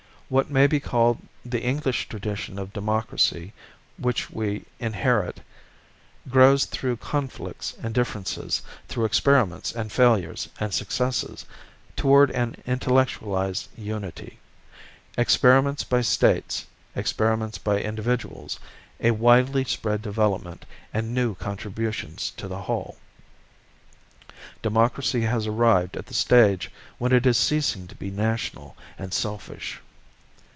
What may be called the English tradition of democracy, which we inherit, grows through conflicts and differences, through experiments and failures and successes, toward an intellectualized unity, experiments by states, experiments by individuals, a widely spread development, and new contributions to the whole. Democracy has arrived at the stage when it is ceasing to be national and selfish.